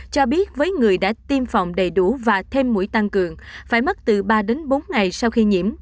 cho biết với người đã tiêm phòng đầy đủ và thêm mũi tăng cường phải mất từ ba đến bốn ngày sau khi nhiễm